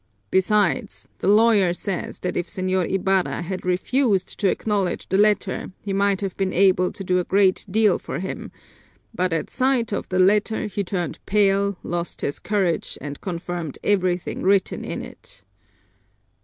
Besides, the lawyer says that if Señor Ibarra had refused to acknowledge the letter, he might have been able to do a great deal for him but at sight of the letter he turned pale, lost his courage, and confirmed everything written in it."